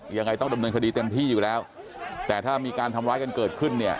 ยังไงต้องดำเนินคดีเต็มที่อยู่แล้วแต่ถ้ามีการทำร้ายกันเกิดขึ้นเนี่ย